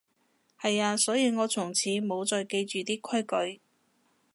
係啊，所以我從此無再記住啲規矩